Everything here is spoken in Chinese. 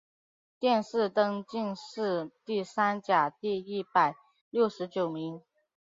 殿试登进士第三甲第一百六十九名。